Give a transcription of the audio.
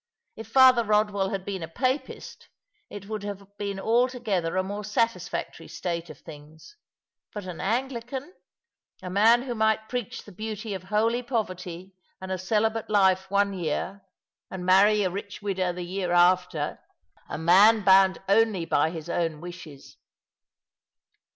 If Father Eodwell had been a Papist it would have been altogether a more satisfactory state of things; but an Anglican — a man who might preach tha beauty of holy poverty and a celibate life one year and marry '* Ohy Old Thottghts they cling /" 271 a rich widow the year after — a man bound only by his own wishes.